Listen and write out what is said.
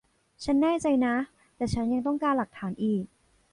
ฉันแน่ใจนะ แต่ฉันยังต้องการหลักฐานอีก